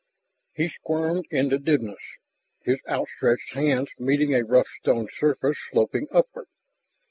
He squirmed into dimness, his outstretched hands meeting a rough stone surface sloping upward.